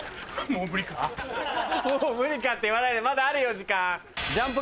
「もう無理か」って言わないでまだあるよ時間。